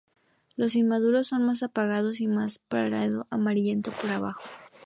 Los inmaduros son más apagados y más pardo amarillento por abajo.